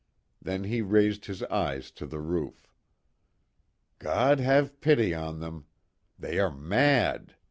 Then he raised his eyes to the roof. "God have pity on them! They are mad!